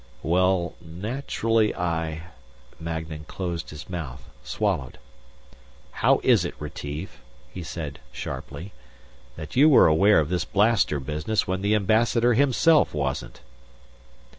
"Well, naturally I " Magnan closed his mouth, swallowed. "How is it, Retief," he said sharply, "that you were aware of this blaster business, when the Ambassador himself wasn't?"